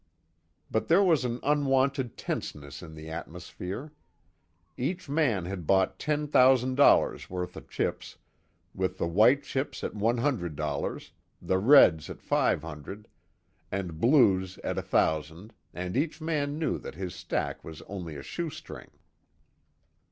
But there was an unwonted tenseness in the atmosphere. Each man had bought ten thousand dollars worth of chips, with the white chips at one hundred dollars, the reds at five hundred, and blues at a thousand and each man knew that his stack was only a shoestring.